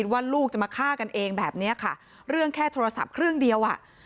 ว่าลูกจะมาฆ่ากันเองแบบนี้ค่ะเรื่องแค่โทรศัพท์เครื่องเดียวอ่ะ